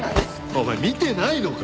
お前見てないのか？